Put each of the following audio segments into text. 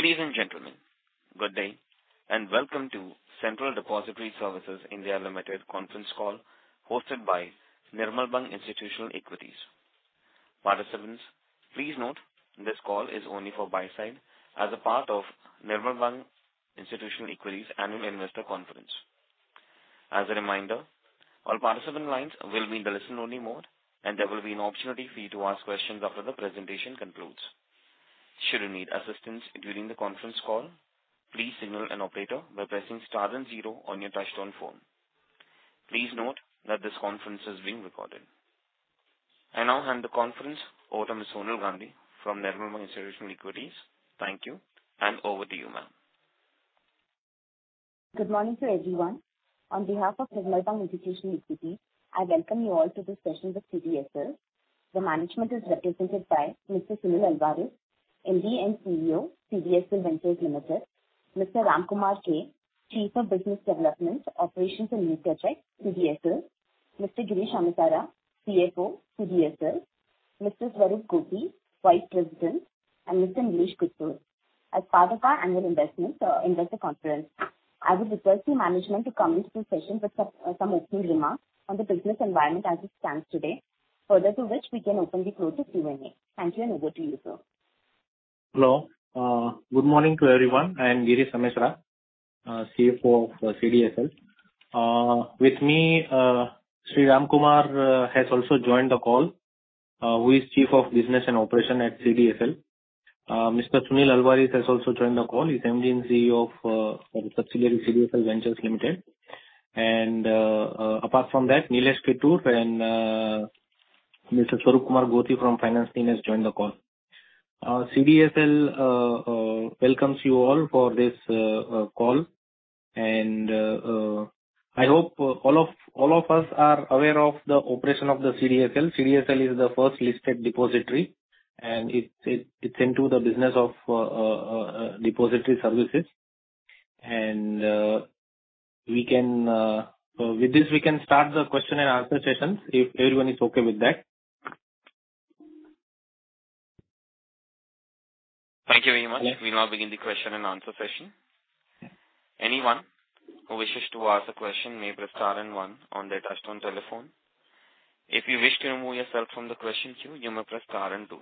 Ladies and gentlemen, good day, and welcome to Central Depository Services (India) Limited conference call hosted by Nirmal Bang Institutional Equities. Participants, please note this call is only for buy side as a part of Nirmal Bang Institutional Equities annual investor conference. As a reminder, all participant lines will be in the listen-only mode, and there will be an opportunity for you to ask questions after the presentation concludes. Should you need assistance during the conference call, please signal an operator by pressing star and zero on your touchtone phone. Please note that this conference is being recorded. I now hand the conference over to Ms. Sonal Gandhi from Nirmal Bang Institutional Equities. Thank you, and over to you, ma'am. Good morning to everyone. On behalf of Nirmal Bang Institutional Equities, I welcome you all to this session with CDSL. The management is represented by Mr. Sunil Alvares, MD and CEO, CDSL Ventures Limited, Mr. Ramkumar K, Chief of Business Development, Operations and User Tech, CDSL, Mr. Girish Amesara, CFO, CDSL, Mr. Swaroop Gothi, Vice President, and Mr. Nilesh Kittur. As part of our annual investor conference, I would request the management to commence this session with some opening remarks on the business environment as it stands today. Further to which we can open the floor to Q&A. Thank you, and over to you, sir. Hello. Good morning to everyone. I am Girish Amesara, CFO of CDSL. With me, Mr. Ramkumar has also joined the call, who is Chief of Business and Operation at CDSL. Mr. Sunil Alvares has also joined the call. He's MD and CEO of our subsidiary, CDSL Ventures Limited. Apart from that, Nilesh Kittur and Mr. Swaroop Kumar Gothi from finance team has joined the call. CDSL welcomes you all for this call. I hope all of us are aware of the operation of the CDSL. CDSL is the first listed depository, and it's into the business of depository services. With this, we can start the question-and-answer sessions if everyone is okay with that. Thank you very much. We now begin the question-and-answer session. Anyone who wishes to ask a question may press star and one on their touchtone telephone. If you wish to remove yourself from the question queue, you may press star and two.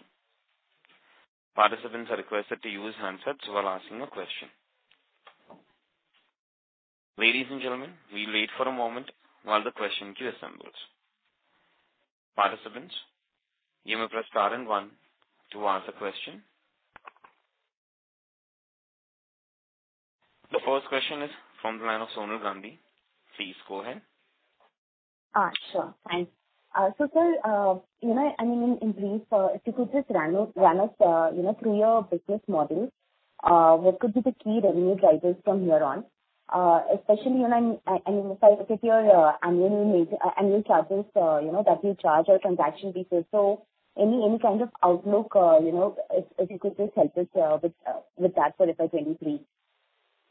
Participants are requested to use handsets while asking a question. Ladies and gentlemen, we'll wait for a moment while the question queue assembles. Participants, you may press star and one to ask a question. The first question is from the line of Sonal Gandhi. Please go ahead. Sure. Thanks. Sir, you know, I mean, in brief, if you could just run us through your business model, what could be the key revenue drivers from here on? Especially when, I mean, sir, if your annual charges, you know, that you charge or transaction basis. Any kind of outlook, you know, if you could just help us with that, sir, if I can, please.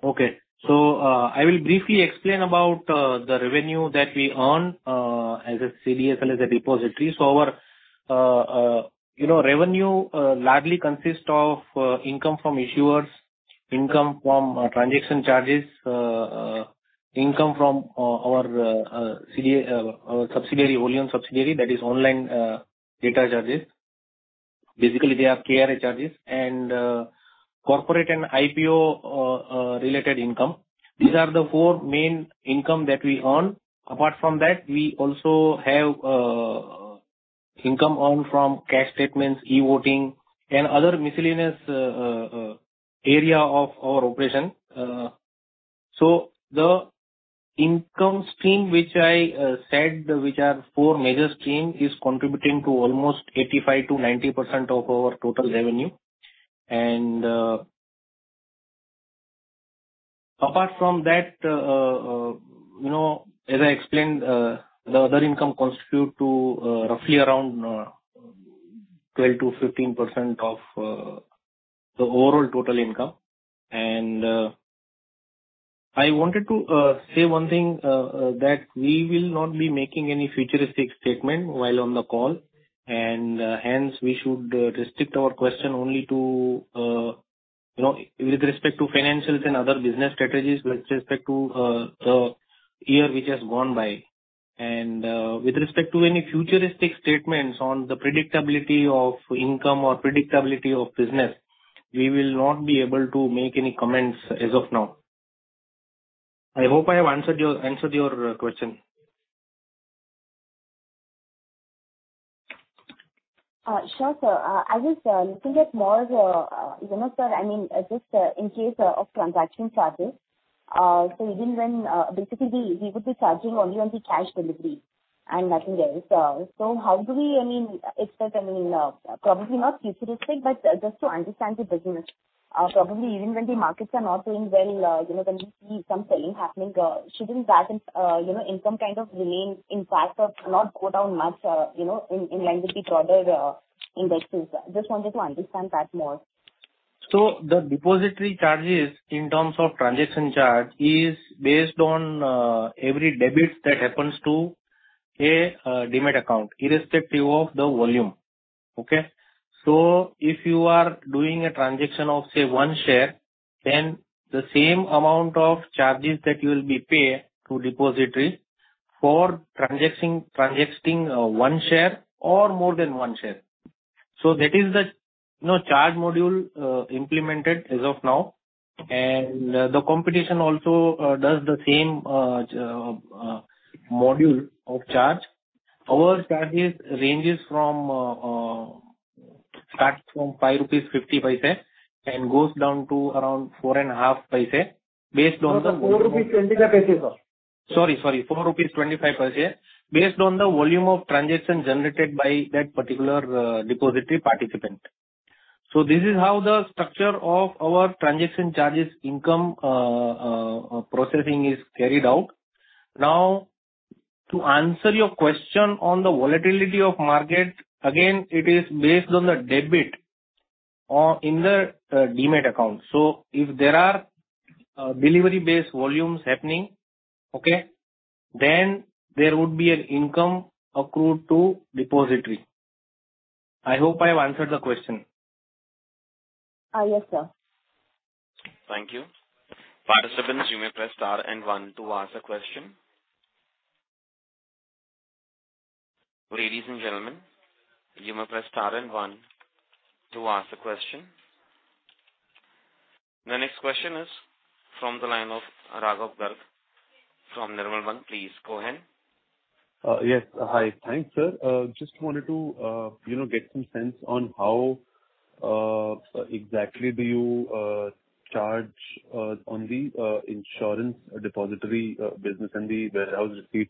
Okay. I will briefly explain about the revenue that we earn as a CDSL, as a depository. Our, you know, revenue largely consists of income from issuers, income from transaction charges, income from our subsidiary that is online data charges. Basically, they have KRA charges and corporate and IPO related income. These are the four main income that we earn. Apart from that, we also have income earned from CAS statements, e-Voting and other miscellaneous area of our operation. The income stream which I said are four major stream is contributing to almost 85%-90% of our total revenue. Apart from that, you know, as I explained, the other income constitute to, roughly around, 12%-15% of the overall total income. I wanted to say one thing, that we will not be making any futuristic statement while on the call. Hence we should restrict our question only to, you know, with respect to financials and other business strategies with respect to the year which has gone by. With respect to any futuristic statements on the predictability of income or predictability of business, we will not be able to make any comments as of now. I hope I have answered your question. Sure, sir. I was looking at more, you know, sir, I mean, just in case of transaction charges, even when basically we would be charging only on the cash delivery and nothing else. How do we, I mean, expect, I mean, probably not futuristic, but just to understand the business, probably even when the markets are not doing well, you know, when we see some selling happening, shouldn't that income remain intact or not go down much, you know, in line with the broader indexes? Just wanted to understand that more. The depository charges in terms of transaction charge is based on every debit that happens to a Demat account irrespective of the volume. Okay? If you are doing a transaction of, say, one share, then the same amount of charges that you will pay to depository for transacting one share or more than one share. That is the, you know, charge module implemented as of now. The competition also does the same module of charge. Our charges ranges from starts from 5.50 rupees and goes down to around 0.045 based on the No, sir. 4.25, sir. Sorry. 4.25 rupees based on the volume of transaction generated by that particular depository participant. This is how the structure of our transaction charges income processing is carried out. Now, to answer your question on the volatility of market, again, it is based on the debit in the Demat account. If there are delivery-based volumes happening, okay, then there would be an income accrued to depository. I hope I have answered the question. Yes, sir. Thank you. Participants, you may press star and one to ask a question. Ladies and gentlemen, you may press star and one to ask a question. The next question is from the line of Raghav Garg from Nirmal Bang. Please go ahead. Yes. Hi. Thanks, sir. Just wanted to, you know, get some sense on how exactly do you charge on the insurance repository business and the warehouse receipt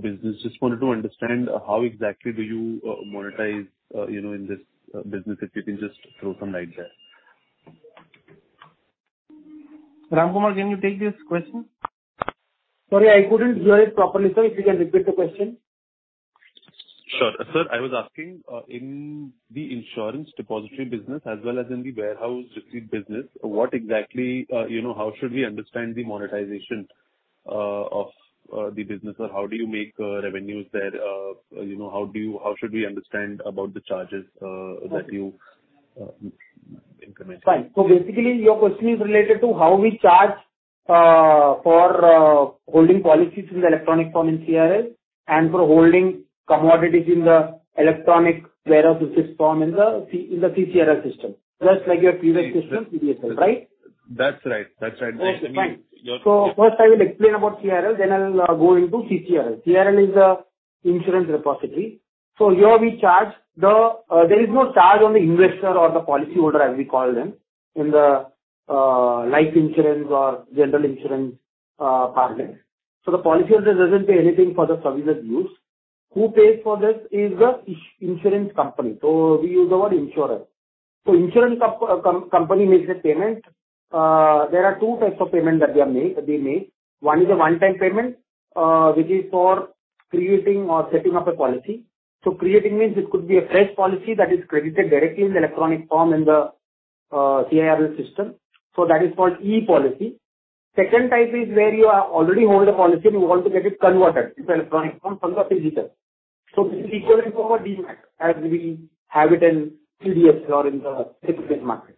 business. Just wanted to understand how exactly do you monetize, you know, in this business, if you can just throw some light there. Ramkumar, can you take this question? Sorry, I couldn't hear it properly, sir. If you can repeat the question. Sure. Sir, I was asking, in the insurance depository business as well as in the warehouse receipt business, what exactly, you know, how should we understand the monetization of the business? Or how do you make revenues there? You know, how should we understand about the charges? Okay. That you increment? Fine. Basically your question is related to how we charge for holding policies in the electronic form in CIRL and for holding commodities in the electronic warehouse receipt form in the CCRL system. Just like your previous system CDSL, right? That's right. That's right. Okay, fine. Your- First I will explain about CIRL, then I will go into CCRL. CIRL is the insurance repository. Here we charge the, there is no charge on the investor or the policyholder, as we call them, in the life insurance or general insurance partner. The policyholder doesn't pay anything for the service use. Who pays for this is the insurance company. We use the word insurer. Insurance company makes a payment. There are two types of payment that they make. One is a one-time payment, which is for creating or setting up a policy. Creating means it could be a fresh policy that is credited directly in the electronic form in the CIRL system. That is called e-policy. Second type is where you already hold the policy and you want to get it converted to electronic form from the physical. This is equivalent to our Demat as we have it in CDSL or in the securities market.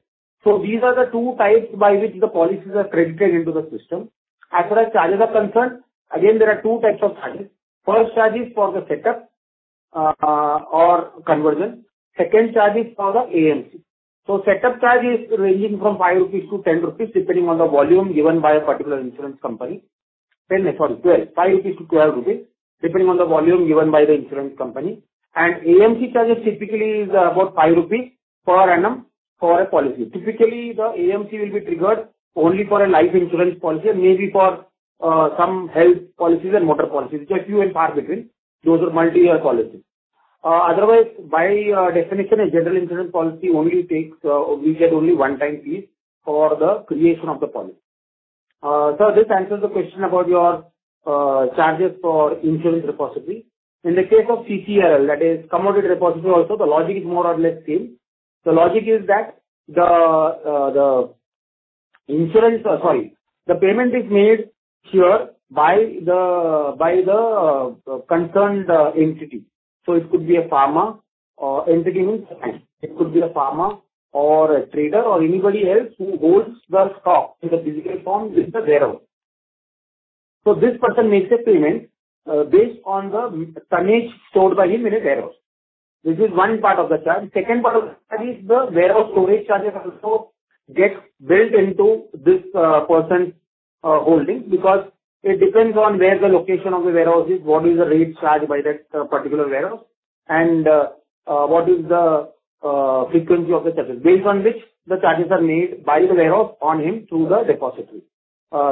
These are the two types by which the policies are credited into the system. As far as charges are concerned, again, there are two types of charges. First charge is for the setup or conversion. Second charge is for the AMC. Setup charge is ranging from 5-12 rupees, depending on the volume given by a particular insurance company. AMC charge is typically about 5 rupees per annum for a policy. Typically, the AMC will be triggered only for a life insurance policy and maybe for some health policies and motor policies, which are few and far between. Those are multi-year policies. Otherwise by definition, a general insurance policy we get only one time fees for the creation of the policy. This answers the question about your charges for insurance repository. In the case of CCRL, that is commodity repository also, the logic is more or less same. The logic is that the payment is made here by the concerned entity. It could be a farmer. Entity means the client. It could be a farmer or a trader or anybody else who holds the stock in the physical form with the warehouse. This person makes a payment, based on the tonnage stored by him in a warehouse. This is one part of the charge. Second part of the charge is the warehouse storage charges also gets built into this person's holding because it depends on where the location of the warehouse is, what is the rate charged by that particular warehouse, and what is the frequency of the service. Based on which the charges are made by the warehouse on him through the depository.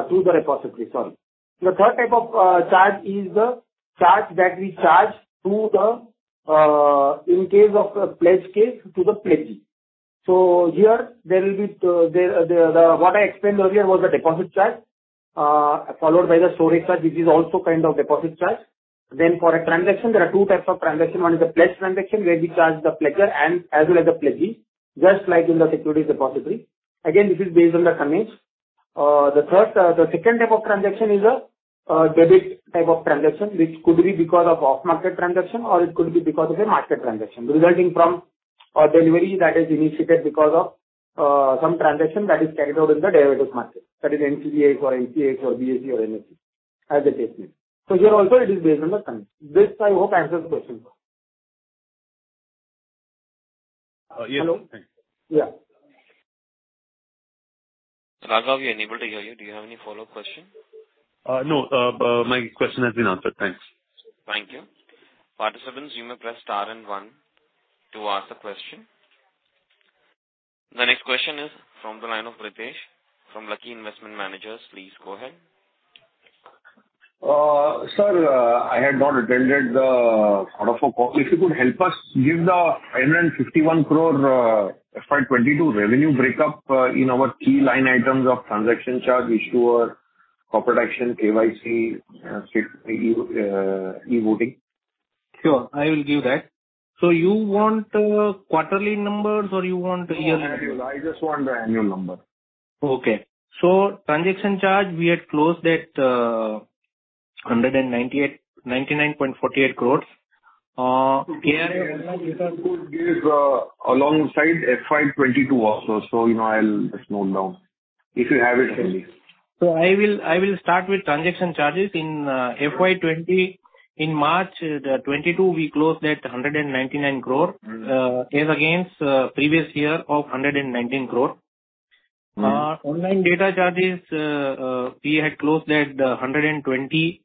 Through the repository, sorry. The third type of charge is the charge that we charge to the, in case of a pledge case to the pledgee. Here there will be the. What I explained earlier was the deposit charge, followed by the storage charge. This is also kind of deposit charge. For a transaction, there are two types of transaction. One is the pledge transaction, where we charge the pledger and as well as the pledgee, just like in the securities repository. Again, this is based on the tonnage. The second type of transaction is a debit type of transaction, which could be because of off-market transaction or it could be because of a market transaction resulting from a delivery that is initiated because of some transaction that is carried out in the derivatives market, that is NCDEX or MCX or BSE or NSE as the case may be. Here also it is based on the transaction. This I hope answers the question. Yeah. Hello. Yeah. Raghav, we are unable to hear you. Do you have any follow-up question? No. My question has been answered. Thanks. Thank you. Participants, you may press star and one to ask a question. The next question is from the line of Pritesh from Lucky Investment Managers. Please go ahead. Sir, I had not attended the quarterly call. If you could give us the 51 crore FY 2022 revenue breakup in our key line items of transaction charges, issuer, corporate action, KYC, e-Voting. Sure, I will give that. You want quarterly numbers or you want yearly numbers? No annual. I just want the annual number. Okay. Transaction charge, we had closed at 198, 199.48 crores. If I could give alongside FY 2022 also. You know, I'll just note down. If you have it handy. I will start with transaction charges. In FY 2022, in March 2022, we closed at 199 crore as against previous year of 119 crore. Mm-hmm. Online data charges, we had closed at roughly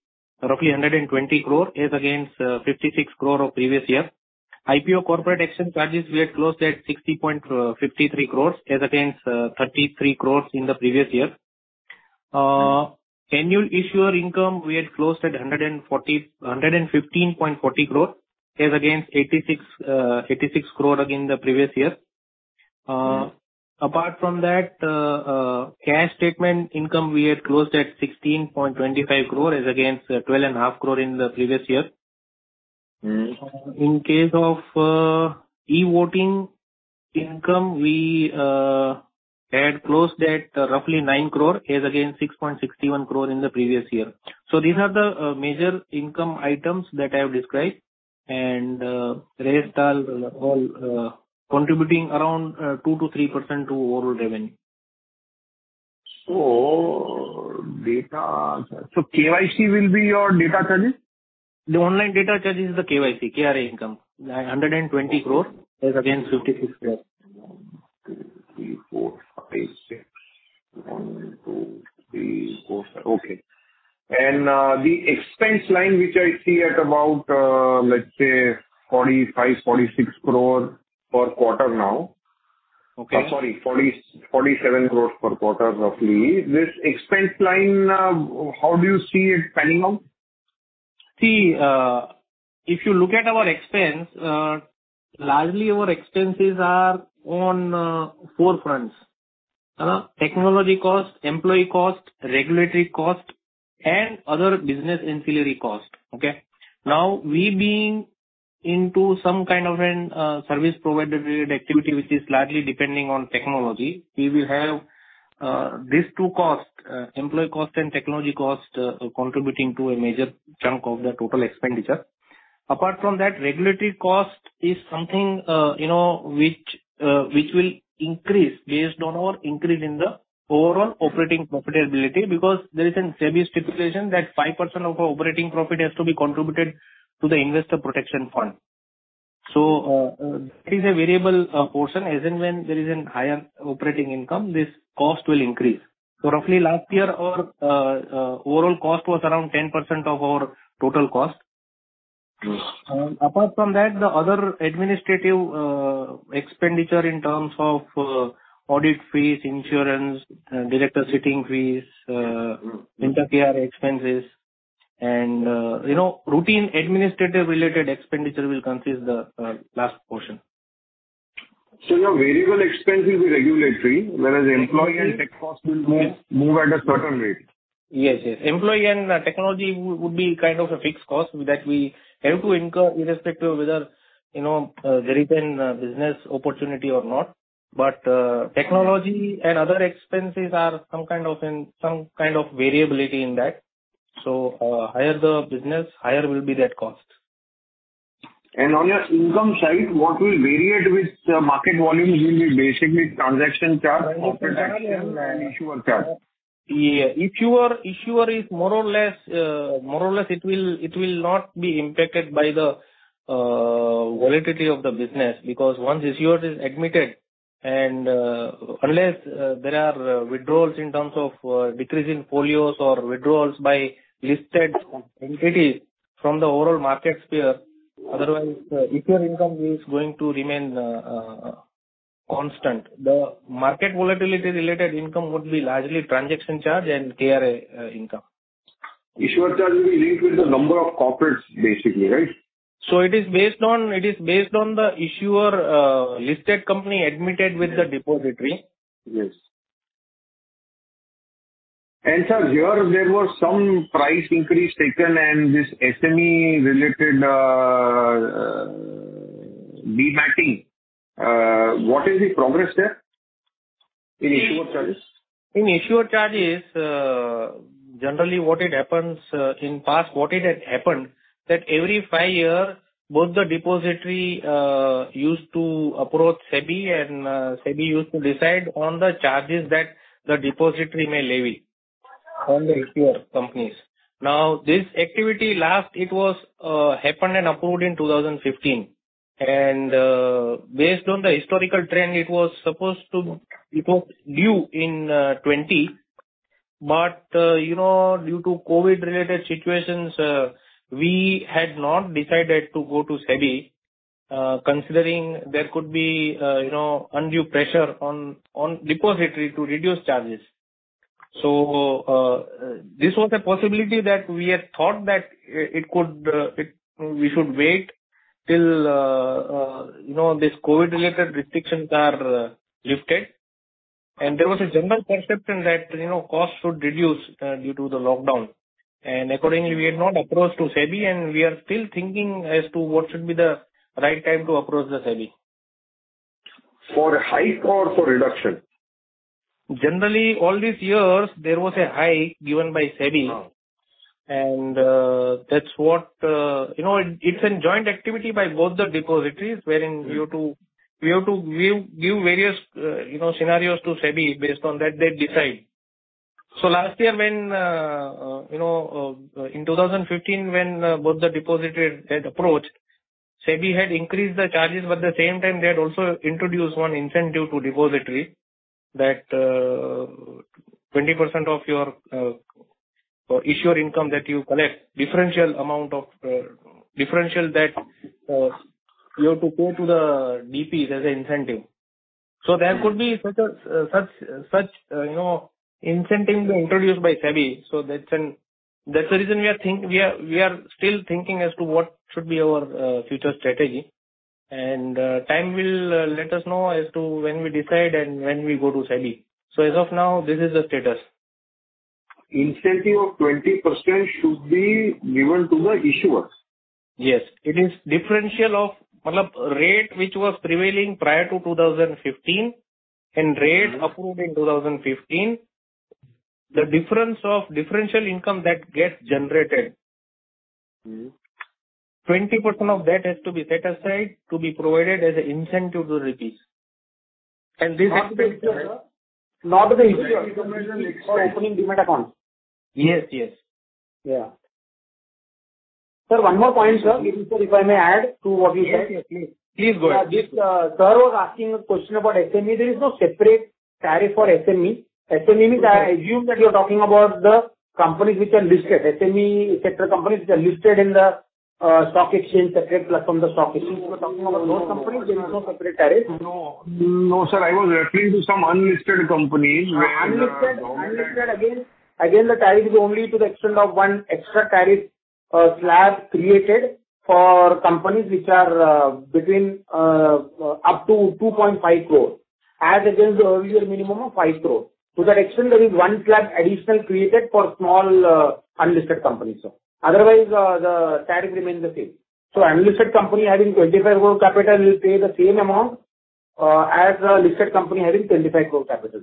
120 crore, as against 56 crore of previous year. IPO corporate action charges, we had closed at 60.53 crores as against 33 crores in the previous year. Annual issuer income, we had closed at 115.40 crores as against 86 crore again the previous year. Apart from that, CAS statement income, we had closed at 16.25 crore as against twelve and a half crore in the previous year. Mm-hmm. In case of e-Voting income, we had closed at roughly 9 crore as against 6.61 crore in the previous year. These are the major income items that I have described and rest are all contributing around 2%-3% to overall revenue. KYC will be your data charges? The online data charges is the KYC, KRA income. 120 crore as against 56 crore. 1, 2, 3, 4, 5, 6. 1, 2, 3, 4, 5. Okay. The expense line, which I see at about, let's say 45 crore, 46 crore per quarter now. Okay. Sorry, 47 crore per quarter, roughly. This expense line, how do you see it panning out? See, if you look at our expense, largely our expenses are on four fronts. Technology cost, employee cost, regulatory cost, and other business ancillary cost. Okay? Now, we being into some kind of a service provider related activity, which is largely depending on technology, we will have these two costs, employee cost and technology cost, contributing to a major chunk of the total expenditure. Apart from that, regulatory cost is something, you know, which will increase based on our increase in the overall operating profitability because there is a SEBI stipulation that 5% of our operating profit has to be contributed to the Investor Protection Fund. That is a variable portion as and when there is a higher operating income, this cost will increase. Roughly last year, our overall cost was around 10% of our total cost. Mm-hmm. Apart from that, the other administrative expenditure in terms of audit fees, insurance, director sitting fees, incurred expenses and, you know, routine administrative related expenditure will comprise the last portion. Your variable expense will be regulatory, whereas employee and tech cost will move at a certain rate. Yes, yes. Employee and technology would be kind of a fixed cost that we have to incur irrespective of whether, you know, there is a business opportunity or not. Technology and other expenses are some kind of variability in that. Higher the business, higher will be that cost. On your income side, what will vary with market volumes will be basically transaction charge, corporate action and issuer charge. Yeah. Issuer is more or less it will not be impacted by the volatility of the business because once issuer is admitted and unless there are withdrawals in terms of decrease in folios or withdrawals by listed entities from the overall market sphere, otherwise issuer income is going to remain constant. The market volatility related income would be largely transaction charge and KRA income. Issuer charge will be linked with the number of corporates basically, right? It is based on the issuer, listed company admitted with the depository. Yes. Sir, here there was some price increase taken and this SME related dematting. What is the progress there in issuer charges? In issuer charges, generally what happens in the past, what had happened, that every five years, both depositories used to approach SEBI, and SEBI used to decide on the charges that the depository may levy on the issuer companies. Now, this activity last happened and was approved in 2015. Based on the historical trend, it was supposed to be due in 2020. You know, due to COVID-related situations, we had not decided to go to SEBI, considering there could be you know, undue pressure on the depository to reduce charges. This was a possibility that we had thought that we should wait till you know, this COVID-related restrictions are lifted. There was a general perception that, you know, costs should reduce due to the lockdown. Accordingly, we had not approached SEBI, and we are still thinking as to what should be the right time to approach SEBI. For a hike or for reduction? Generally, all these years there was a hike given by SEBI. Oh. That's what. You know, it's a joint activity by both the depositories, wherein we have to give various, you know, scenarios to SEBI. Based on that, they decide. Last year when in 2015 when both the depositories had approached, SEBI had increased the charges, but at the same time, they had also introduced one incentive to the depositories that 20% of your issuer income that you collect, differential amount of differential that you have to pay to the DPs as an incentive. There could be such incentives introduced by SEBI. That's the reason we are still thinking as to what should be our future strategy. Time will let us know as to when we decide and when we go to SEBI. As of now, this is the status. Incentive of 20% should be given to the issuers? Yes. It is differential of rate which was prevailing prior to 2015, and rate approved in 2015. The difference of differential income that gets generated. Mm-hmm. 20% of that has to be set aside to be provided as an incentive to DPs. This is to the issuers? Not to the issuers. For opening Demat account. Yes, yes. Yeah. Sir, one more point, sir. Sir, if I may add to what he said. Please go ahead. Sir was asking a question about SME. There is no separate tariff for SME. SME means I assume that you're talking about the companies which are listed. SME sector companies which are listed in the stock exchange, separate platform, the stock exchange. If you're talking about those companies, there is no separate tariff. No. No, sir. I was referring to some unlisted companies where- Unlisted. Again, the tariff is only to the extent of one extra tariff slab created for companies which are between up to 2.5 crore, as against the earlier minimum of 5 crore. To that extent, there is one slab additional created for small unlisted companies, sir. Otherwise, the tariff remains the same. Unlisted company having 25 crore capital will pay the same amount as a listed company having 25 crore capital,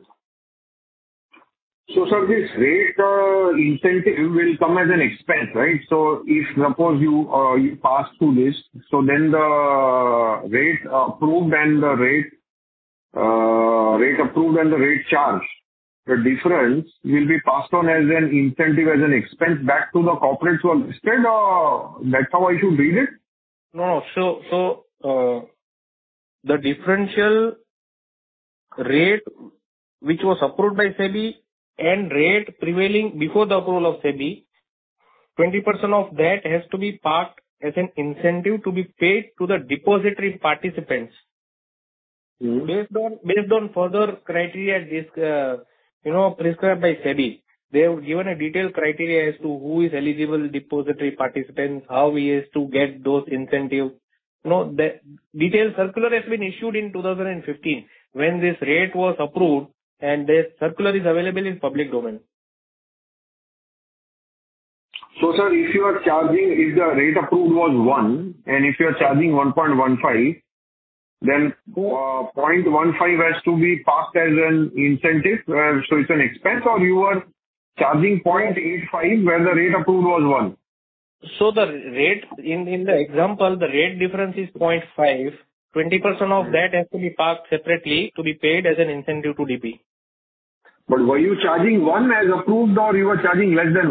sir. Sir, this rate incentive will come as an expense, right? If suppose you pass through this, so then the rate approved and the rate charged, the difference will be passed on as an incentive, as an expense back to the corporate who are listed, or that's how I should read it? No, no. The differential rate which was approved by SEBI and rate prevailing before the approval of SEBI, 20% of that has to be parked as an incentive to be paid to the depository participants. Mm-hmm. Based on further criteria, you know, prescribed by SEBI. They have given a detailed criteria as to who is eligible depository participant, how he is to get those incentives. You know, the detailed circular has been issued in 2015 when this rate was approved, and this circular is available in public domain. Sir, if you are charging, if the rate approved was 1%, and if you are charging 1.15%, then point 0.15% has to be parked as an incentive, so it's an expense, or you are charging 0.85% where the rate approved was 1? The rate, in the example, the rate difference is 0.5%. 20% of that has to be parked separately to be paid as an incentive to DP. Were you charging one as approved or you were charging less than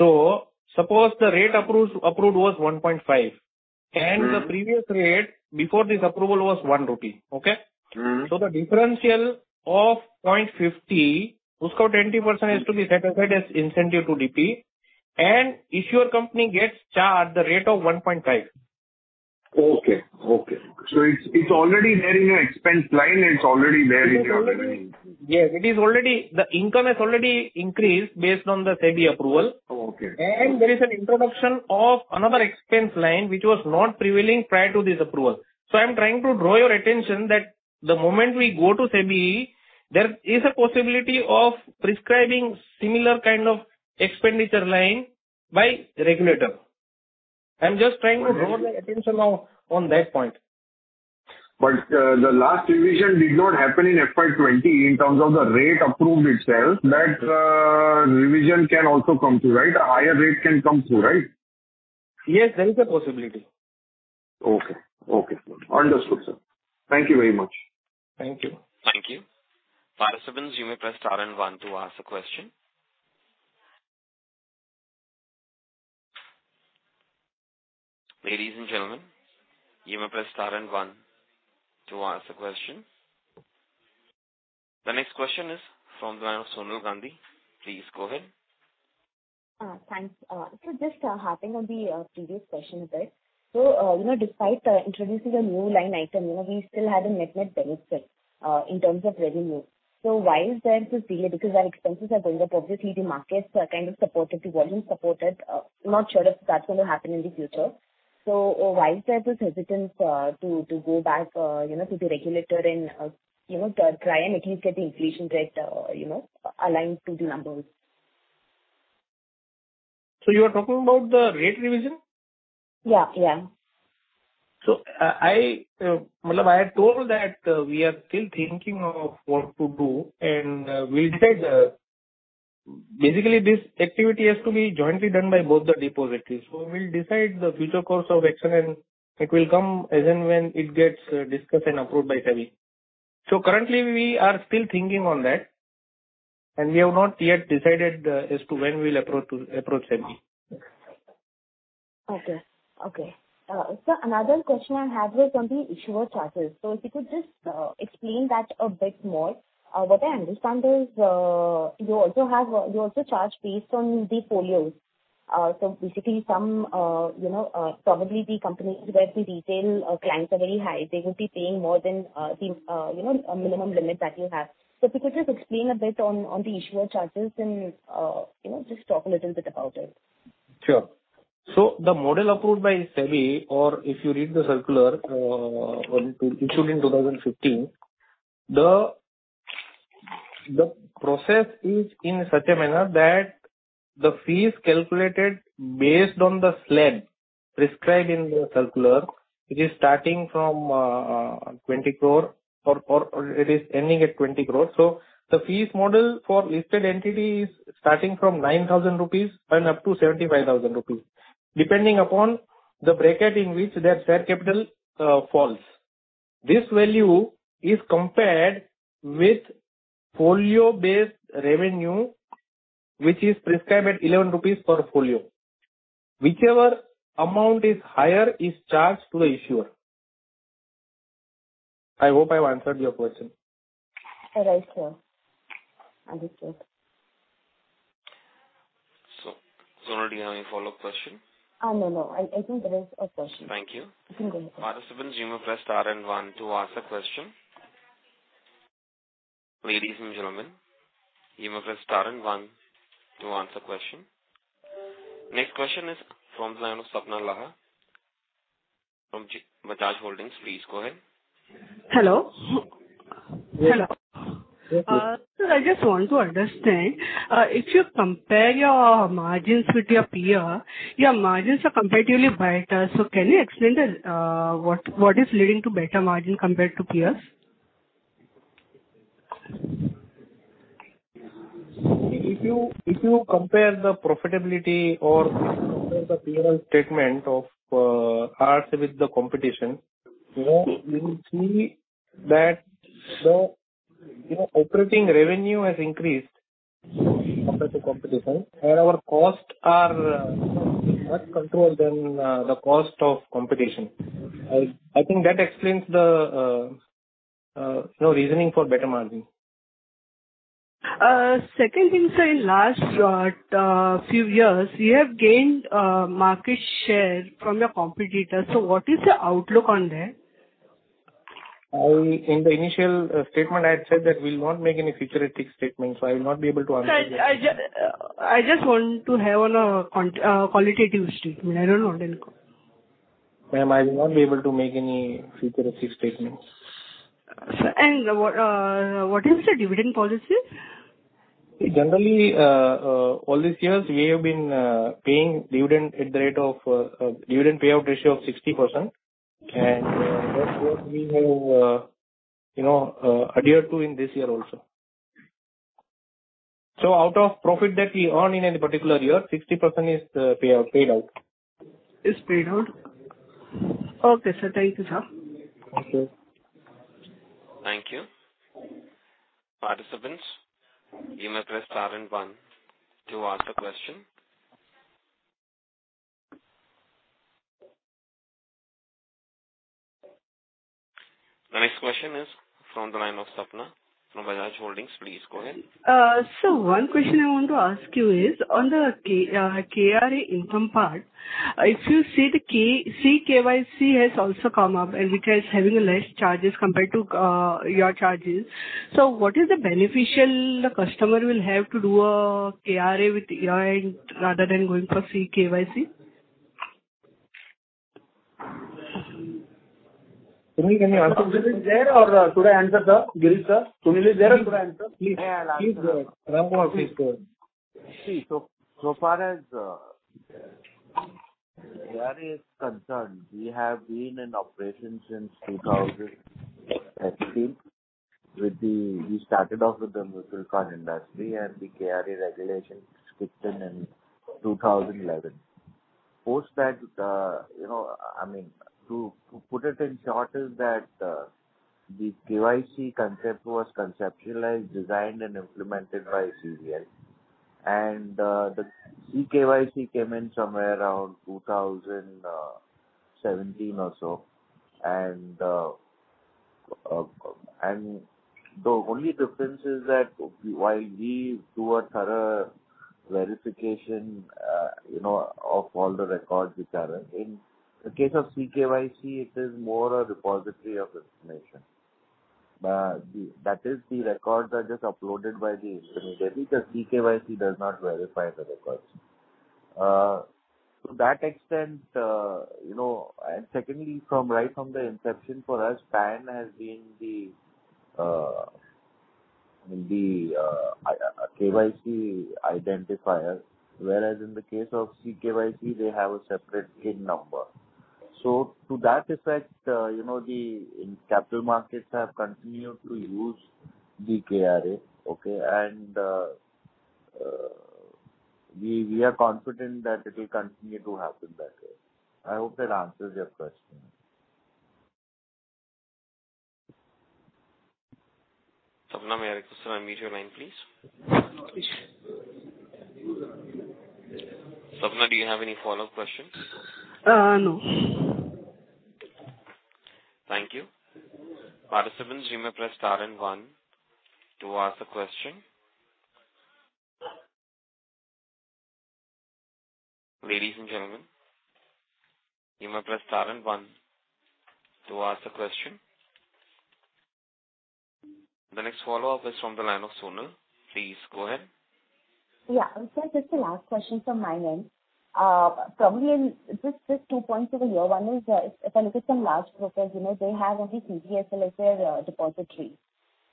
1%? Suppose the rate approved was 1.5%. Mm-hmm. The previous rate before this approval was 1 rupee. Okay? Mm-hmm. The differential of 0.50%, 20% has to be set aside as incentive to DP. Issuer company gets charged the rate of 1.5%. Okay. It's already there in your expense line. Yes, it is already. The income has already increased based on the SEBI approval. Okay. There is an introduction of another expense line which was not prevailing prior to this approval. I'm trying to draw your attention that the moment we go to SEBI, there is a possibility of prescribing similar kind of expenditure line by regulator. I'm just trying to draw the attention on that point. The last revision did not happen in FY 2020 in terms of the rate approved itself. That revision can also come through, right? A higher rate can come through, right? Yes, there is a possibility. Okay. Understood, sir. Thank you very much. Thank you. Thank you. Participants, you may press star and one to ask a question. Ladies and gentlemen, you may press star and one to ask a question. The next question is from the line of Sonal Gandhi. Please go ahead. Thanks. Just harping on the previous question a bit. You know, despite introducing a new line item, you know, we still had a net-net benefit in terms of revenue. Why is there this delay? Because our expenses are going up. Obviously the markets are kind of supported, the volume supported. I'm not sure if that's gonna happen in the future. Why is there this hesitance to go back, you know, to the regulator and, you know, try and at least get the inflation rate, you know, aligned to the numbers? You are talking about the rate revision? Yeah, yeah. I had told that we are still thinking of what to do and we'll decide. Basically, this activity has to be jointly done by both the depositories. We'll decide the future course of action and it will come as and when it gets discussed and approved by SEBI. Currently we are still thinking on that, and we have not yet decided as to when we'll approach SEBI. Okay. Another question I had was on the issuer charges. If you could just explain that a bit more. What I understand is you also charge based on the folios. Basically some you know probably the companies where the retail clients are very high, they will be paying more than the you know a minimum limit that you have. If you could just explain a bit on the issuer charges and you know just talk a little bit about it. Sure. The model approved by SEBI, or if you read the circular issued in 2015, the process is in such a manner that the fee is calculated based on the slab prescribed in the circular. It is starting from 20 crore or it is ending at 20 crore. The fee model for listed entity is starting from 9,000 rupees and up to 75,000 rupees, depending upon the bracket in which their share capital falls. This value is compared with folio-based revenue, which is prescribed at 11 rupees per folio. Whichever amount is higher is charged to the issuer. I hope I have answered your question. Right, sir. Understood. Sonal, do you have any follow-up question? No, no. I think that is all, sir. Thank you. You can go ahead. Participants, you may press star and one to ask a question. Ladies and gentlemen, you may press star and one to ask a question. Next question is from the line of Sapna Laha from Bajaj Holdings. Please go ahead. Hello. Hello. Yes. I just want to understand, if you compare your margins with your peers, your margins are comparatively better. Can you explain what is leading to better margins compared to peers? If you compare the profitability or compare the P&L statement of CDSL with the competition, you know, you will see that the you know, operating revenue has increased compared to competition and our costs are much more controlled than the cost of competition. I think that explains the you know, reasoning for better margin. Second thing, sir, in last few years, you have gained market share from your competitor. What is your outlook on that? In the initial statement, I had said that we won't make any futuristic statements, so I will not be able to answer that. Sir, I just want to have on a quant, qualitative statement. I don't want any Ma'am, I will not be able to make any futuristic statements. Sir, what is the dividend policy? Generally, all these years we have been paying dividend at the rate of dividend payout ratio of 60%. That's what we have you know adhered to in this year also. Out of profit that we earn in any particular year, 60% is paid out. Is paid out. Okay, sir. Thank you, sir. Thank you. Thank you. Participants, you may press star and one to ask a question. The next question is from the line of Sapna Laha from Bajaj Holdings. Please go ahead. Sir, one question I want to ask you is on the KRA income part. If you see the CKYC has also come up and which is having less charges compared to your charges. What is the benefit the customer will have to do a KRA with your end rather than going for CKYC? Can you hear me? Are you there or should I answer, sir? Girish, sir. Sunil is there or should I answer? Please, Ramkumar speak. So far as KRA is concerned, we have been in operation since 2016. We started off with the mutual fund industry and the KRA regulation scripted in 2011. Post that, you know, I mean, to put it in short is that, the KYC concept was conceptualized, designed and implemented by CDSL. The CKYC came in somewhere around 2017 or so. The only difference is that while we do a thorough verification, you know, of all the records we gather, in the case of CKYC it is more a repository of information. That is, the records are just uploaded by the intermediary because CKYC does not verify the records. To that extent, you know. Secondly, right from the inception for us PAN has been the KYC identifier, whereas in the case of CKYC they have a separate TIN number. To that effect, you know, the capital markets have continued to use the KRA. Okay? We are confident that it will continue to happen that way. I hope that answers your question. Sapna, may I request you unmute your line, please. Sapna, do you have any follow-up questions? No. Thank you. Participants, you may press star and one to ask a question. Ladies and gentlemen, you may press star and one to ask a question. The next follow-up is from the line of Sonal. Please go ahead. Yeah. Sir, just a last question from my end. Probably in just two points over here. One is, if I look at some large brokers, you know, they have only CDSL as their depository.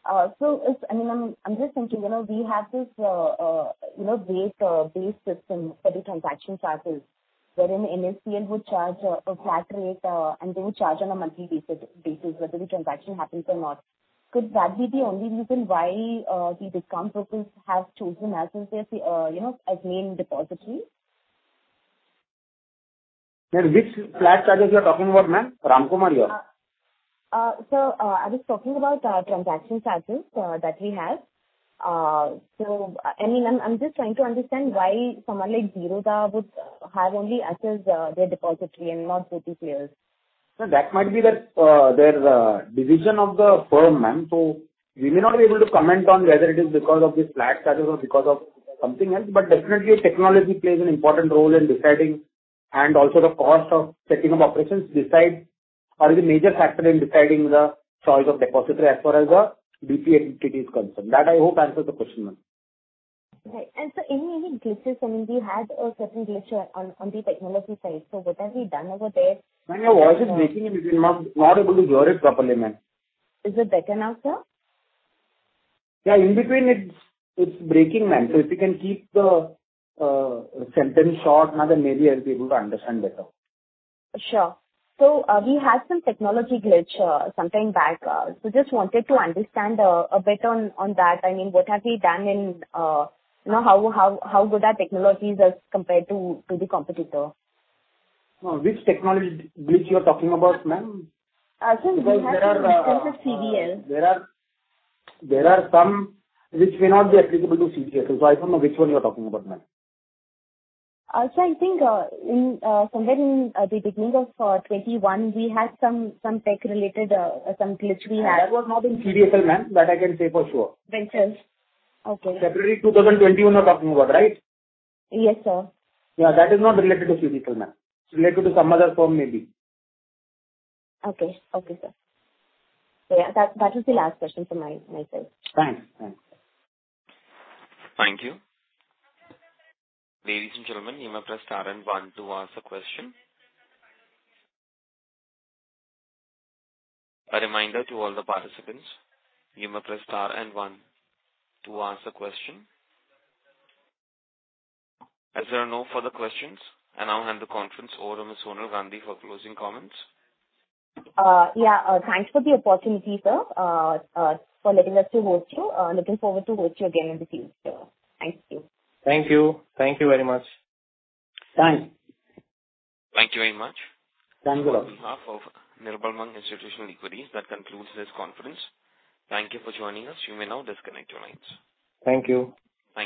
It's I mean, I'm just thinking, you know, we have this base system for the transaction charges wherein NSDL would charge a flat rate, and they would charge on a monthly basis whether the transaction happens or not. Could that be the only reason why the discount brokers have chosen us as their main depository? Ma'am, which flat charges you are talking about, ma'am? Ramkumar here. Sir, I was talking about transaction charges that we have. I mean, I'm just trying to understand why someone like Zerodha would have only us as their depository and not both the players. No, that might be their division of the firm, ma'am. We may not be able to comment on whether it is because of the flat charges or because of something else, but definitely technology plays an important role in deciding and also the cost of setting up operations decide or the major factor in deciding the choice of depository as far as the DP entity is concerned. That I hope answers the question, ma'am. Right. Sir, any glitches? I mean, we had a certain glitch on the technology side, so what have we done over there? Ma'am, your voice is breaking in between. Not able to hear it properly, ma'am. Is it better now, sir? Yeah, in between it's breaking, ma'am. If you can keep the sentence short now, then maybe I'll be able to understand better. Sure. We had some technology glitch some time back. Just wanted to understand a bit on that. I mean, what have we done and, you know, how good are technologies as compared to the competitor? No, which technology glitch you are talking about, ma'am? Uh, since we have- Because there are. In the sense of CDL. There are some which may not be applicable to CDSL, so I don't know which one you are talking about, ma'am. I think somewhere in the beginning of 2021, we had some tech-related glitch. That was not in CDSL, ma'am. That I can say for sure. Which was? Okay. February 2021 you're talking about, right? Yes, sir. Yeah, that is not related to CDSL, ma'am. It's related to some other firm maybe. Okay, sir. Yeah, that was the last question from myself. Thanks. Thanks. Thank you. Ladies and gentlemen, you may press star and one to ask a question. A reminder to all the participants, you may press star and one to ask a question. As there are no further questions, I now hand the conference over to Ms. Sonal Gandhi for closing comments. Yeah. Thanks for the opportunity, sir, for letting us to host you. Looking forward to host you again in the future. Thank you. Thank you. Thank you very much. Done. Thank you very much. Thank you. On behalf of Nirmal Bang Institutional Equities, that concludes this conference. Thank you for joining us. You may now disconnect your lines. Thank you.